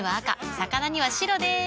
魚には白でーす。